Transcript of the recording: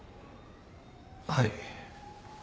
はい。